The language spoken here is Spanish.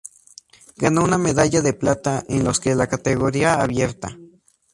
Ganó una medalla de plata en los en la categoría abierta.